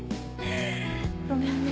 ごめんね。